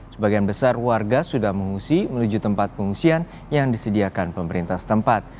sebagian besar warga sudah mengungsi menuju tempat pengungsian yang disediakan pemerintah setempat